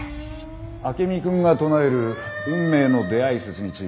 アケミ君が唱える運命の出会い説については？